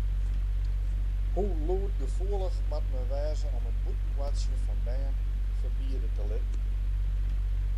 Hoe lûdgefoelich moat men wêze om it bûten boartsjen fan bern ferbiede te litten?